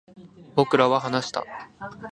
僕らは話した